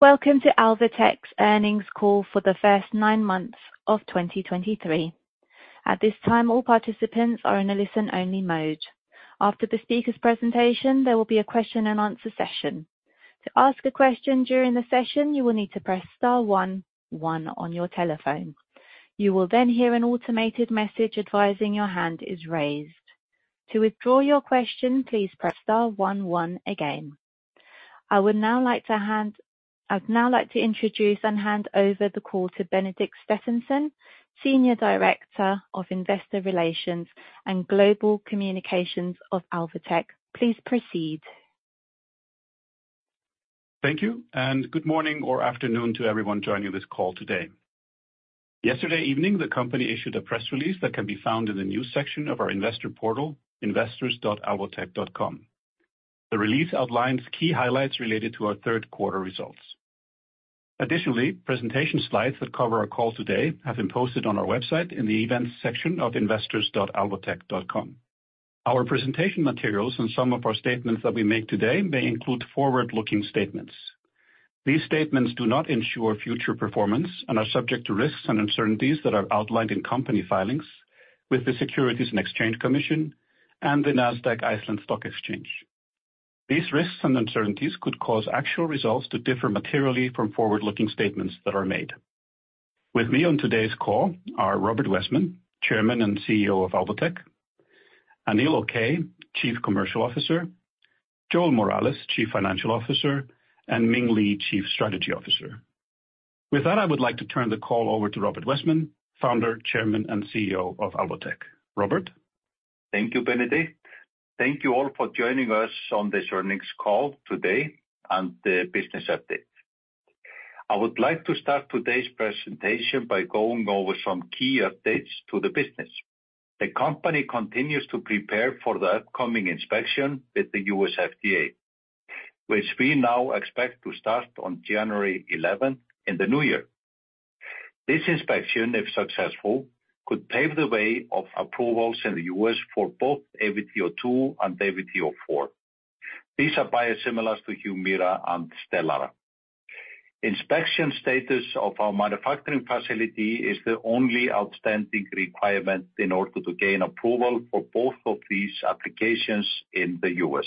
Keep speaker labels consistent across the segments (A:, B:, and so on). A: Welcome to Alvotech's earnings call for the first nine months of 2023. At this time, all participants are in a listen-only mode. After the speaker's presentation, there will be a question-and-answer session. To ask a question during the session, you will need to press star one one on your telephone. You will then hear an automated message advising your hand is raised. To withdraw your question, please press star one one again. I'd now like to introduce and hand over the call to Benedikt Stefansson, Senior Director of Investor Relations and Global Communications of Alvotech. Please proceed.
B: Thank you, and good morning or afternoon to everyone joining this call today. Yesterday evening, the company issued a press release that can be found in the News section of our investor portal, investors.alvotech.com. The release outlines key highlights related to our third quarter results. Additionally, presentation slides that cover our call today have been posted on our website in the Events section of investors.alvotech.com. Our presentation materials and some of our statements that we make today may include forward-looking statements. These statements do not ensure future performance and are subject to risks and uncertainties that are outlined in company filings with the Securities and Exchange Commission and the Nasdaq Iceland Stock Exchange. These risks and uncertainties could cause actual results to differ materially from forward-looking statements that are made. With me on today's call are Róbert Wessman, Chairman and CEO of Alvotech, Anil Okay, Chief Commercial Officer, Joel Morales, Chief Financial Officer, and Ming Li, Chief Strategy Officer. With that, I would like to turn the call over to Róbert Wessman, Founder, Chairman, and CEO of Alvotech. Robert?
C: Thank you, Benedikt. Thank you all for joining us on this earnings call today and the business update. I would like to start today's presentation by going over some key updates to the business. The company continues to prepare for the upcoming inspection with the U.S. FDA, which we now expect to start on January 11th in the new year. This inspection, if successful, could pave the way of approvals in the U.S. for both AVT02 and AVT04. These are biosimilars to HUMIRA and STELARA. Inspection status of our manufacturing facility is the only outstanding requirement in order to gain approval for both of these applications in the U.S.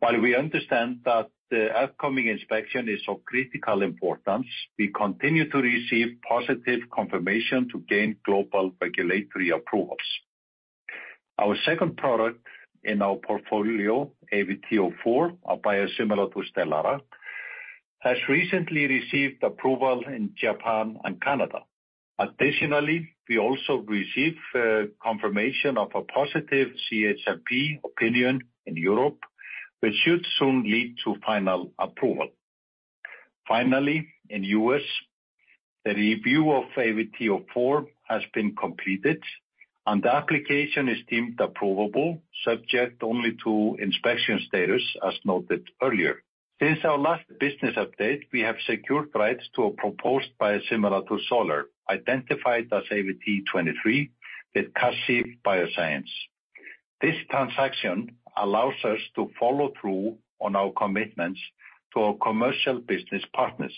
C: While we understand that the upcoming inspection is of critical importance, we continue to receive positive confirmation to gain global regulatory approvals. Our second product in our portfolio, AVT04, a biosimilar to STELARA, has recently received approval in Japan and Canada. Additionally, we also received confirmation of a positive CHMP opinion in Europe, which should soon lead to final approval. Finally, in U.S., the review of AVT04 has been completed, and the application is deemed approvable, subject only to inspection status, as noted earlier. Since our last business update, we have secured rights to a proposed biosimilar to XOLAIR, identified as AVT23, with Kashiv BioSciences. This transaction allows us to follow through on our commitments to our commercial business partners.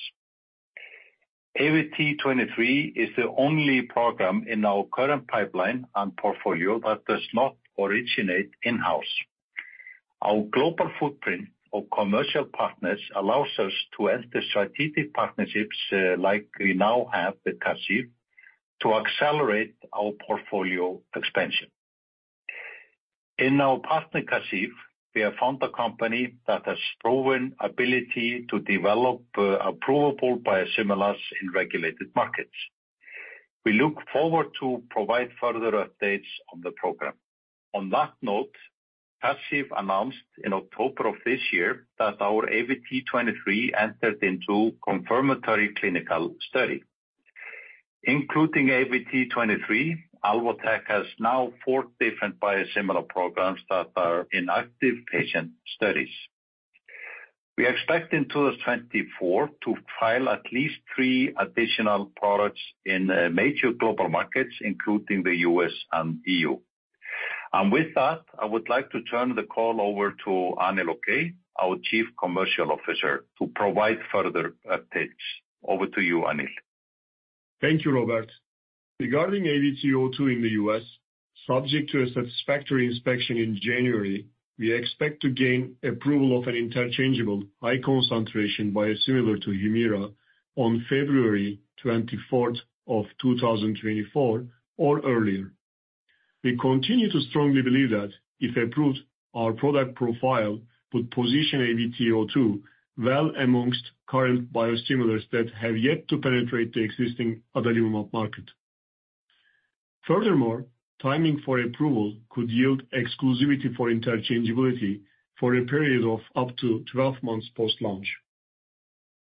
C: AVT23 is the only program in our current pipeline and portfolio that does not originate in-house. Our global footprint of commercial partners allows us to enter strategic partnerships, like we now have with Kashiv, to accelerate our portfolio expansion. In our partner, Kashiv, we have found a company that has proven ability to develop approvable biosimilars in regulated markets. We look forward to provide further updates on the program. On that note, Kashiv announced in October of this year that our AVT23 entered into confirmatory clinical study. Including AVT23, Alvotech has now four different biosimilar programs that are in active patient studies. We expect in 2024 to file at least three additional products in major global markets, including the U.S. and EU. And with that, I would like to turn the call over to Anil Okay, our Chief Commercial Officer, to provide further updates. Over to you, Anil.
D: Thank you, Robert. Regarding AVT02 in the U.S., subject to a satisfactory inspection in January, we expect to gain approval of an interchangeable high concentration biosimilar to HUMIRA on February 24, 2024 or earlier. We continue to strongly believe that if approved, our product profile would position AVT02 well amongst current biosimilars that have yet to penetrate the existing adalimumab market. Furthermore, timing for approval could yield exclusivity for interchangeability for a period of up to 12 months post-launch.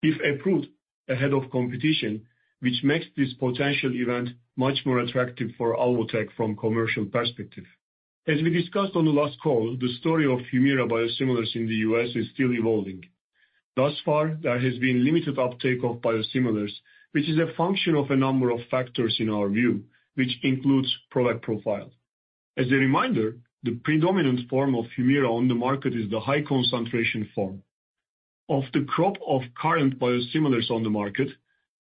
D: If approved ahead of competition, which makes this potential event much more attractive for Alvotech from commercial perspective. As we discussed on the last call, the story of HUMIRA biosimilars in the U.S. is still evolving. Thus far, there has been limited uptake of biosimilars, which is a function of a number of factors in our view, which includes product profile.... As a reminder, the predominant form of HUMIRA on the market is the high concentration form. Of the crop of current biosimilars on the market,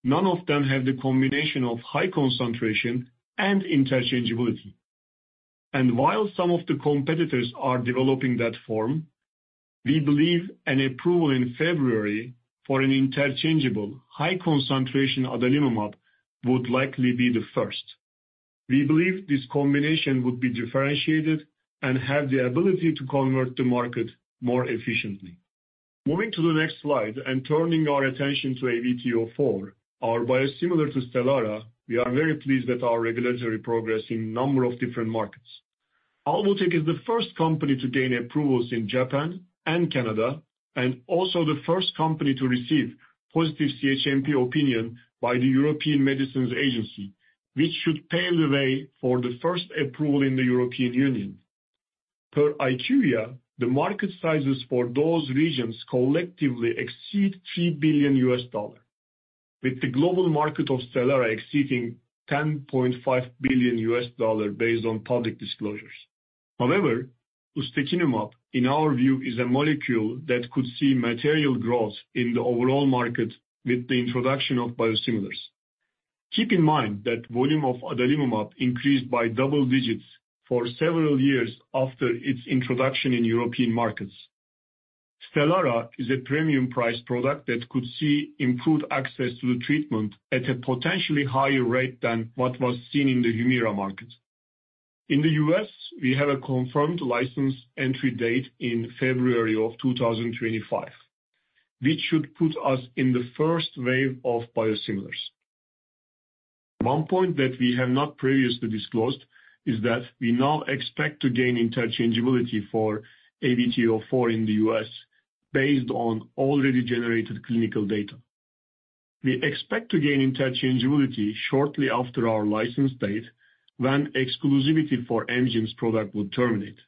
D: none of them have the combination of high concentration and interchangeability. While some of the competitors are developing that form, we believe an approval in February for an interchangeable high concentration adalimumab would likely be the first. We believe this combination would be differentiated and have the ability to convert the market more efficiently. Moving to the next slide and turning our attention to AVT04, our biosimilar to STELARA, we are very pleased with our regulatory progress in a number of different markets. Alvotech is the first company to gain approvals in Japan and Canada, and also the first company to receive positive CHMP opinion by the European Medicines Agency, which should pave the way for the first approval in the European Union. Per IQVIA, the market sizes for those regions collectively exceed $3 billion, with the global market of STELARA exceeding $10.5 billion based on public disclosures. However, ustekinumab, in our view, is a molecule that could see material growth in the overall market with the introduction of biosimilars. Keep in mind that volume of adalimumab increased by double digits for several years after its introduction in European markets. STELARA is a premium price product that could see improved access to the treatment at a potentially higher rate than what was seen in the HUMIRA market. In the U.S., we have a confirmed license entry date in February of 2025, which should put us in the first wave of biosimilars. One point that we have not previously disclosed is that we now expect to gain interchangeability for AVT04 in the U.S. based on already generated clinical data. We expect to gain interchangeability shortly after our license date, when exclusivity for Amgen's product will terminate.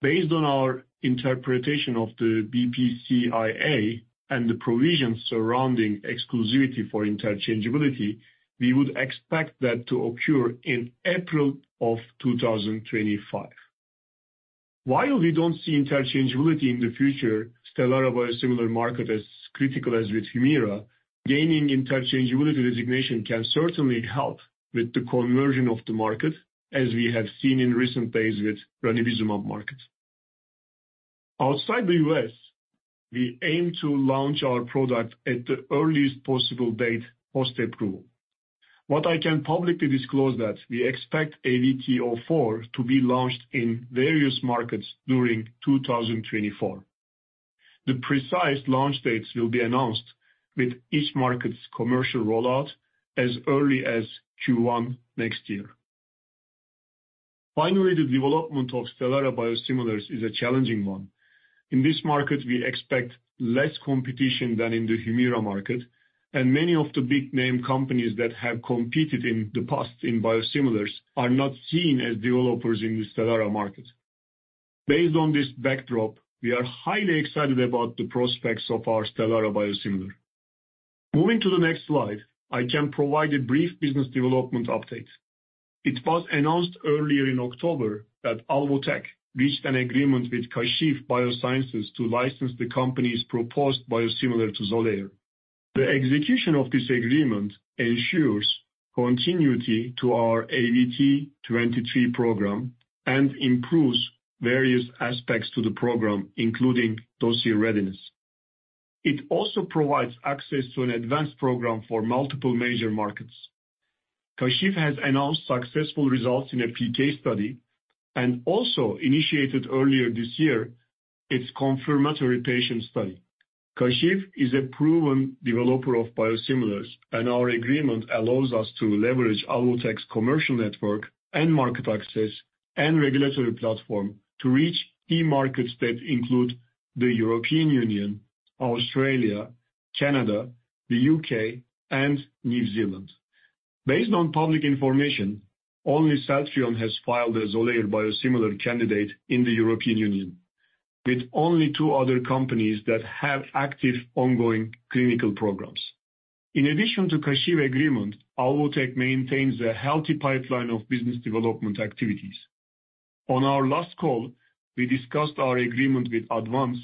D: Based on our interpretation of the BPCIA and the provisions surrounding exclusivity for interchangeability, we would expect that to occur in April of 2025. While we don't see interchangeability in the future STELARA biosimilar market as critical as with HUMIRA, gaining interchangeability designation can certainly help with the conversion of the market, as we have seen in recent days with ranibizumab market. Outside the U.S., we aim to launch our product at the earliest possible date post-approval. What I can publicly disclose that we expect AVT04 to be launched in various markets during 2024. The precise launch dates will be announced with each market's commercial rollout as early as Q1 next year. Finally, the development of STELARA biosimilars is a challenging one. In this market, we expect less competition than in the HUMIRA market, and many of the big-name companies that have competed in the past in biosimilars are not seen as developers in the STELARA market. Based on this backdrop, we are highly excited about the prospects of our STELARA biosimilar. Moving to the next slide, I can provide a brief business development update. It was announced earlier in October that Alvotech reached an agreement with Kashiv BioSciences to license the company's proposed biosimilar to XOLAIR. The execution of this agreement ensures continuity to our AVT23 program and improves various aspects to the program, including dossier readiness. It also provides access to an advanced program for multiple major markets. Kashiv has announced successful results in a PK study and also initiated earlier this year its confirmatory patient study. Kashiv is a proven developer of biosimilars, and our agreement allows us to leverage Alvotech's commercial network, and market access, and regulatory platform to reach key markets that include the European Union, Australia, Canada, the U.K., and New Zealand. Based on public information, only Celltrion has filed a XOLAIR biosimilar candidate in the European Union, with only two other companies that have active, ongoing clinical programs. In addition to Kashiv agreement, Alvotech maintains a healthy pipeline of business development activities. On our last call, we discussed our agreement with ADVANZ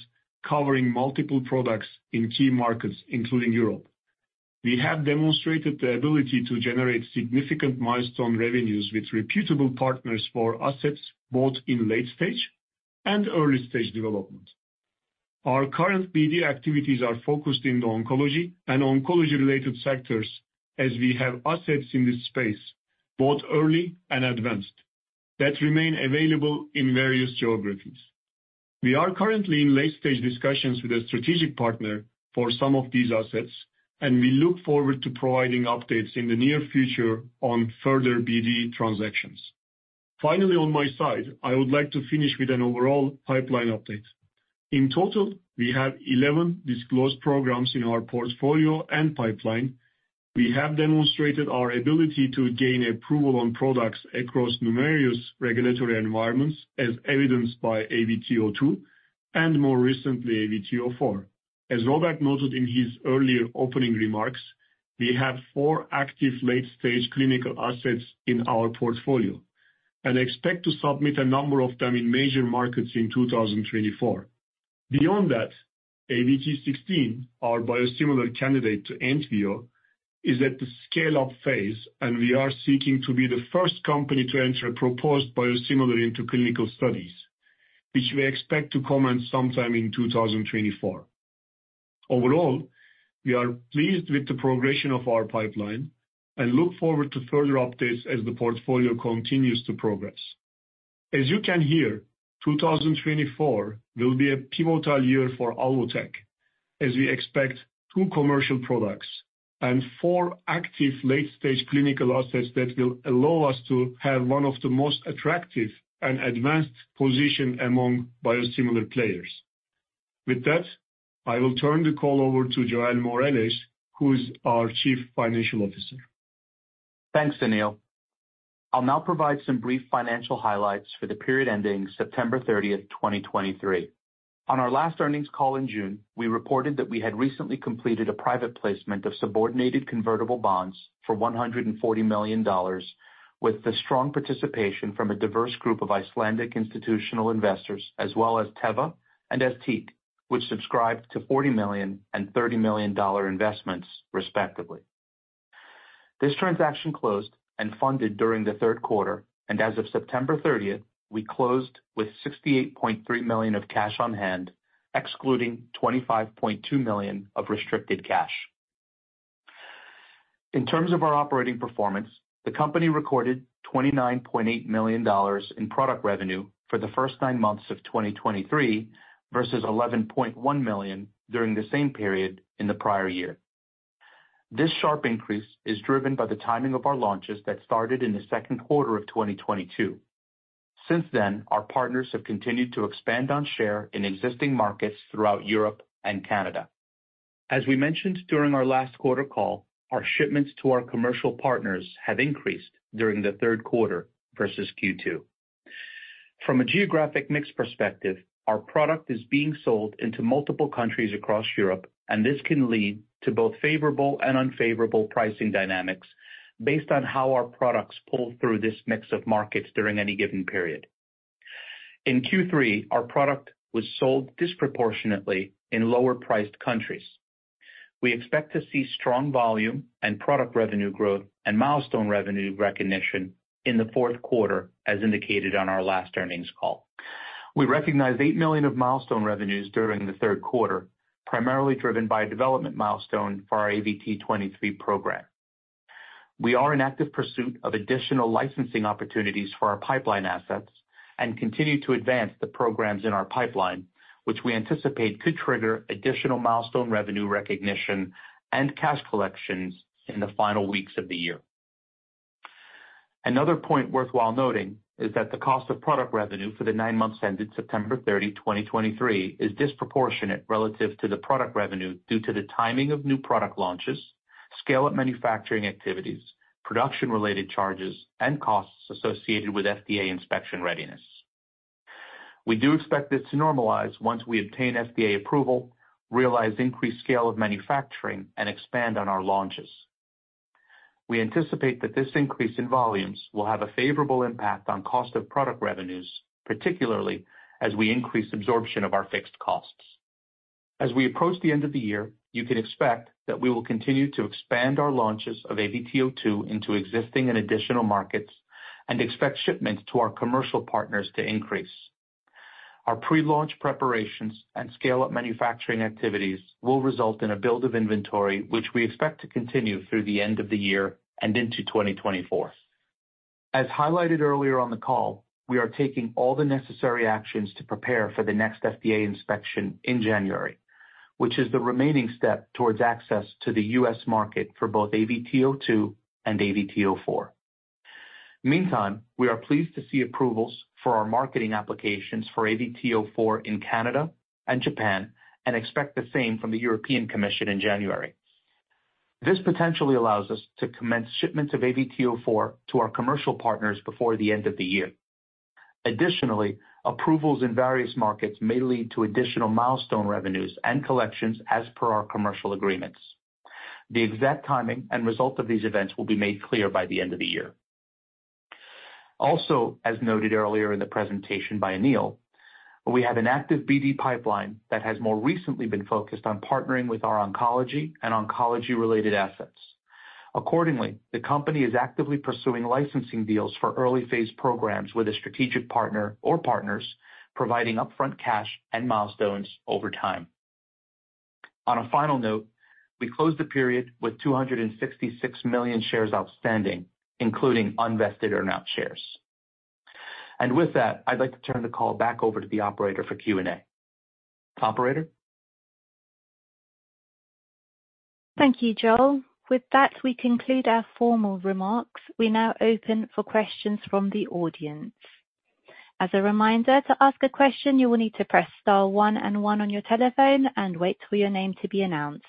D: covering multiple products in key markets, including Europe. We have demonstrated the ability to generate significant milestone revenues with reputable partners for assets, both in late-stage and early-stage development. Our current BD activities are focused in the oncology and oncology-related sectors, as we have assets in this space, both early and advanced, that remain available in various geographies. We are currently in late-stage discussions with a strategic partner for some of these assets, and we look forward to providing updates in the near future on further BD transactions. Finally, on my side, I would like to finish with an overall pipeline update. In total, we have 11 disclosed programs in our portfolio and pipeline. We have demonstrated our ability to gain approval on products across numerous regulatory environments, as evidenced by AVT02 and more recently, AVT04. As Robert noted in his earlier opening remarks, we have four active late-stage clinical assets in our portfolio and expect to submit a number of them in major markets in 2024. Beyond that, AVT16, our biosimilar candidate to ENTYVIO, is at the scale-up phase, and we are seeking to be the first company to enter a proposed biosimilar into clinical studies, which we expect to commence sometime in 2024. Overall, we are pleased with the progression of our pipeline and look forward to further updates as the portfolio continues to progress. As you can hear, 2024 will be a pivotal year for Alvotech, as we expect two commercial products and four active late-stage clinical assets that will allow us to have one of the most attractive and advanced position among biosimilar players. With that, I will turn the call over to Joel Morales, who is our Chief Financial Officer.
E: Thanks, Anil. I'll now provide some brief financial highlights for the period ending September 30th, 2023. On our last earnings call in June, we reported that we had recently completed a private placement of subordinated convertible bonds for $140 million, with the strong participation from a diverse group of Icelandic institutional investors, as well as Teva and Aztiq, which subscribed to $40 million and $30 million investments, respectively. This transaction closed and funded during the third quarter, and as of September 30th, we closed with $68.3 million of cash on hand, excluding $25.2 million of restricted cash. In terms of our operating performance, the company recorded $29.8 million in product revenue for the first nine months of 2023, versus $11.1 million during the same period in the prior year. This sharp increase is driven by the timing of our launches that started in the second quarter of 2022. Since then, our partners have continued to expand on share in existing markets throughout Europe and Canada. As we mentioned during our last quarter call, our shipments to our commercial partners have increased during the third quarter versus Q2. From a geographic mix perspective, our product is being sold into multiple countries across Europe, and this can lead to both favorable and unfavorable pricing dynamics based on how our products pull through this mix of markets during any given period. In Q3, our product was sold disproportionately in lower-priced countries. We expect to see strong volume and product revenue growth and milestone revenue recognition in the fourth quarter, as indicated on our last earnings call. We recognized $8 million of milestone revenues during the third quarter, primarily driven by a development milestone for our AVT23 program. We are in active pursuit of additional licensing opportunities for our pipeline assets and continue to advance the programs in our pipeline, which we anticipate could trigger additional milestone revenue recognition and cash collections in the final weeks of the year. Another point worth noting is that the cost of product revenue for the nine months ended September 30, 2023, is disproportionate relative to the product revenue due to the timing of new product launches, scale-up manufacturing activities, production-related charges, and costs associated with FDA inspection readiness. We do expect this to normalize once we obtain FDA approval, realize increased scale of manufacturing, and expand on our launches. We anticipate that this increase in volumes will have a favorable impact on cost of product revenues, particularly as we increase absorption of our fixed costs. As we approach the end of the year, you can expect that we will continue to expand our launches of AVT02 into existing and additional markets and expect shipments to our commercial partners to increase. Our pre-launch preparations and scale-up manufacturing activities will result in a build of inventory, which we expect to continue through the end of the year and into 2024. As highlighted earlier on the call, we are taking all the necessary actions to prepare for the next FDA inspection in January, which is the remaining step towards access to the U.S. market for both AVT02 and AVT04. Meantime, we are pleased to see approvals for our marketing applications for AVT04 in Canada and Japan and expect the same from the European Commission in January. This potentially allows us to commence shipments of AVT04 to our commercial partners before the end of the year. Additionally, approvals in various markets may lead to additional milestone revenues and collections as per our commercial agreements. The exact timing and result of these events will be made clear by the end of the year. Also, as noted earlier in the presentation by Anil, we have an active BD pipeline that has more recently been focused on partnering with our oncology and oncology-related assets. Accordingly, the company is actively pursuing licensing deals for early-phase programs with a strategic partner or partners, providing upfront cash and milestones over time. On a final note, we closed the period with 266 million shares outstanding, including unvested earn-out shares. With that, I'd like to turn the call back over to the operator for Q&A. Operator?
A: Thank you, Joel. With that, we conclude our formal remarks. We now open for questions from the audience. As a reminder, to ask a question, you will need to press star one and one on your telephone and wait for your name to be announced.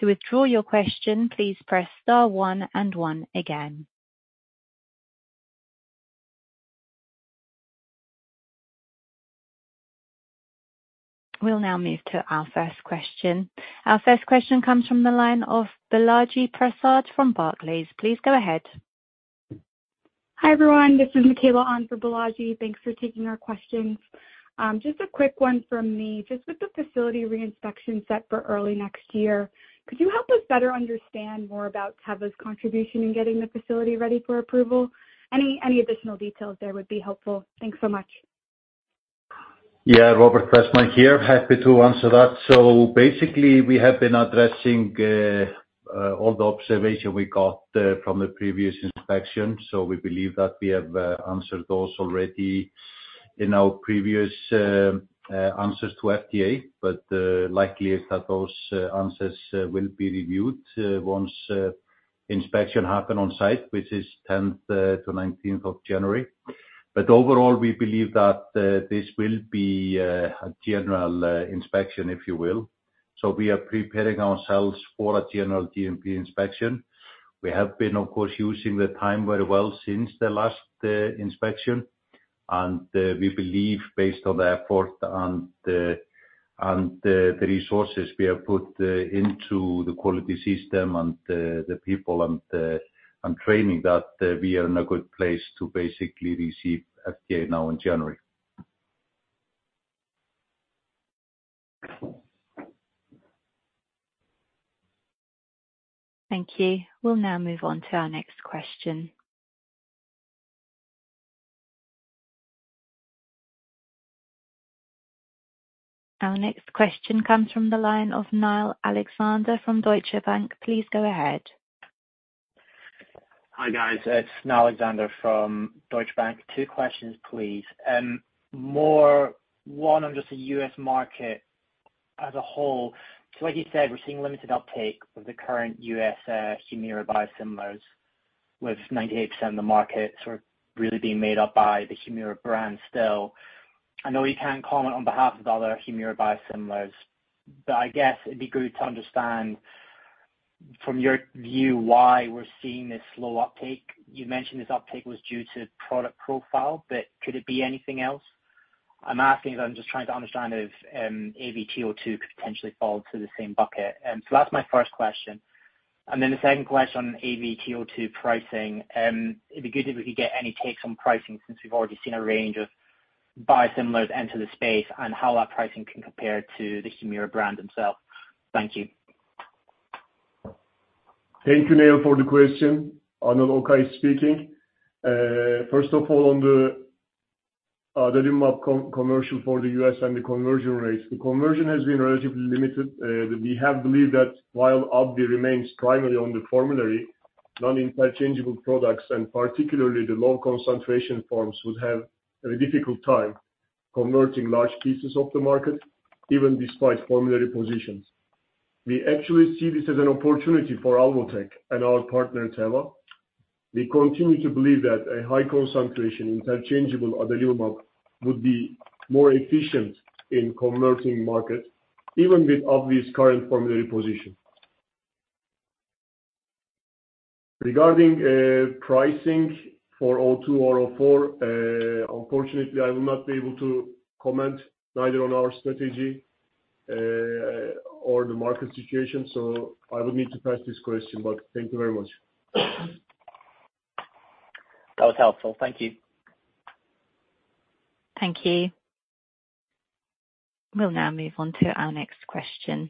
A: To withdraw your question, please press star one and one again. We'll now move to our first question. Our first question comes from the line of Balaji Prasad from Barclays. Please go ahead.
F: Hi, everyone. This is Michaela on for Balaji. Thanks for taking our questions. Just a quick one from me. Just with the facility re-inspection set for early next year, could you help us better understand more about Teva's contribution in getting the facility ready for approval? Any additional details there would be helpful. Thanks so much.
C: Yeah. Róbert Wessman here. Happy to answer that. So basically, we have been addressing all the observation we got from the previous inspection. So we believe that we have answered those already in our previous answers to FDA. But likely is that those answers will be reviewed once inspection happen on site, which is 10th to 19th of January. But overall, we believe that this will be a general inspection, if you will. So we are preparing ourselves for a general GMP inspection. We have been, of course, using the time very well since the last inspection, and we believe based on the effort and the resources we have put into the quality system and the people and the training, that we are in a good place to basically receive FDA now in January.
A: Thank you. We'll now move on to our next question. Our next question comes from the line of Niall Alexander from Deutsche Bank. Please go ahead.
G: Hi, guys. It's Niall Alexander from Deutsche Bank. Two questions, please. One, on just the U.S. market as a whole. So like you said, we're seeing limited uptake of the current U.S., HUMIRA biosimilars, with 98% of the market sort of really being made up by the HUMIRA brand still. I know you can't comment on behalf of the other HUMIRA biosimilars, but I guess it'd be good to understand, from your view, why we're seeing this slow uptake? You mentioned this uptake was due to product profile, but could it be anything else? I'm asking because I'm just trying to understand if, AVT02 could potentially fall into the same bucket. So that's my first question. And then the second question on AVT02 pricing. It'd be good if we could get any takes on pricing since we've already seen a range of biosimilars enter the space, and how that pricing can compare to the HUMIRA brand themselves. Thank you.
D: Thank you, Niall, for the question. Anil Okay speaking. First of all, on the adalimumab commercial for the U.S. and the conversion rates. The conversion has been relatively limited, but we have believed that while AbbVie remains primarily on the formulary, non-interchangeable products, and particularly the low concentration forms, would have a difficult time converting large pieces of the market, even despite formulary positions. We actually see this as an opportunity for Alvotech and our partner, Teva. We continue to believe that a high concentration, interchangeable adalimumab would be more efficient in converting market, even with AbbVie's current formulary position. Regarding pricing for 02 or 04, unfortunately, I will not be able to comment neither on our strategy or the market situation, so I would need to pass this question, but thank you very much.
G: That was helpful. Thank you.
A: Thank you. We'll now move on to our next question.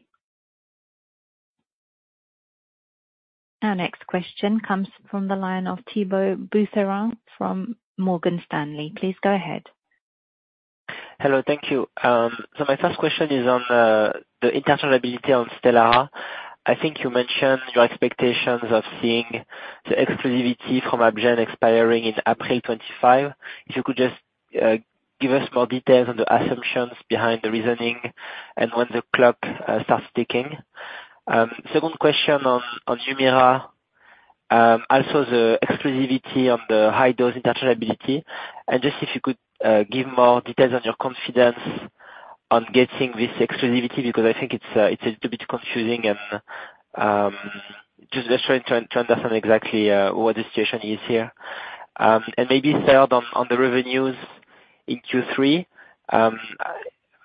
A: Our next question comes from the line of Thibault Boutherin from Morgan Stanley. Please go ahead.
H: Hello. Thank you. So my first question is on the interchangeability of STELARA. I think you mentioned your expectations of seeing the exclusivity from AbbVie expiring in April 2025. If you could just give us more details on the assumptions behind the reasoning and when the clock starts ticking. Second question on HUMIRA, also the exclusivity of the high-dose interchangeability. And just if you could give more details on your confidence on getting this exclusivity, because I think it's a little bit confusing and just trying to understand exactly what the situation is here. And maybe third, on the revenues in Q3.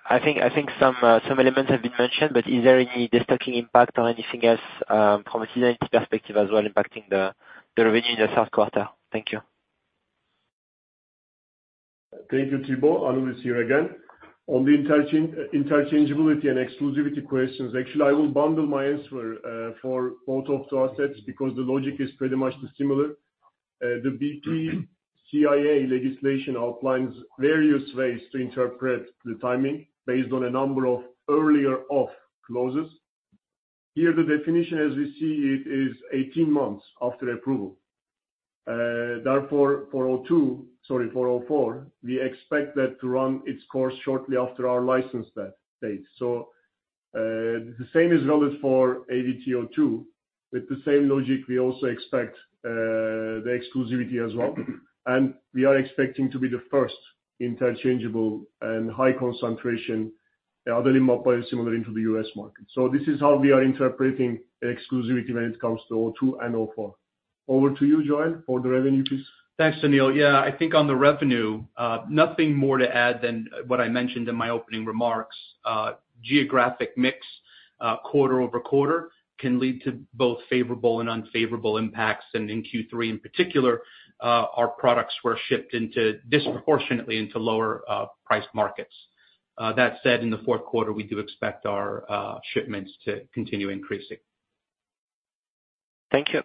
H: I think some elements have been mentioned, but is there any destocking impact or anything else, from a HUMIRA perspective as well, impacting the revenue in the third quarter? Thank you.
D: Thank you, Thibault. Anil is here again. On the interchangeability and exclusivity questions, actually, I will bundle my answer for both of the assets, because the logic is pretty much similar. The BPCIA legislation outlines various ways to interpret the timing, based on a number of earlier approvals. Here, the definition, as we see it, is 18 months after approval. Therefore, AVT04, we expect that to run its course shortly after our license date. So, the same is valid for AVT02. With the same logic, we also expect the exclusivity as well. And we are expecting to be the first interchangeable and high concentration adalimumab biosimilar into the U.S. market. So this is how we are interpreting exclusivity when it comes to 02 and 04. Over to you, Joel, for the revenue, please.
E: Thanks, Anil. Yeah, I think on the revenue, nothing more to add than what I mentioned in my opening remarks. Geographic mix, quarter-over-quarter, can lead to both favorable and unfavorable impacts. In Q3 in particular, our products were shipped into, disproportionately into lower, price markets. That said, in the fourth quarter, we do expect our, shipments to continue increasing.
H: Thank you.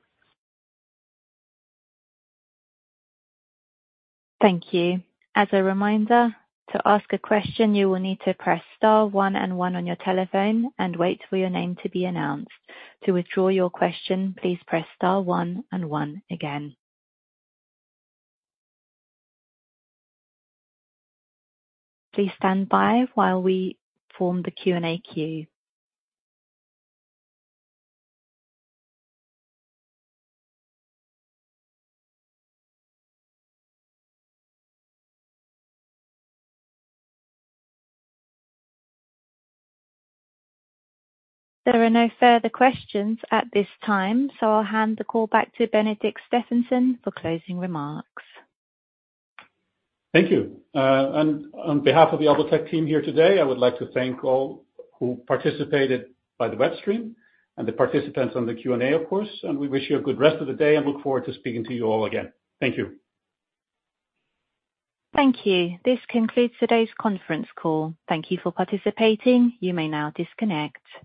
A: Thank you. As a reminder, to ask a question, you will need to press star one and one on your telephone and wait for your name to be announced. To withdraw your question, please press star one and one again. Please stand by while we form the Q&A queue. There are no further questions at this time, so I'll hand the call back to Benedikt Stefansson for closing remarks.
B: Thank you. And on behalf of the Alvotech team here today, I would like to thank all who participated by the web stream and the participants on the Q&A, of course, and we wish you a good rest of the day and look forward to speaking to you all again. Thank you.
A: Thank you. This concludes today's conference call. Thank you for participating. You may now disconnect.